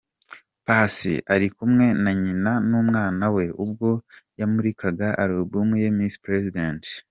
Paccy ari kumwe na Nyina n'umwana we, ubwo yamurikaga alubumu ye Miss President.